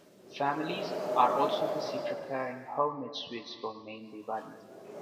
Families are also busy preparing homemade sweets for main Diwali.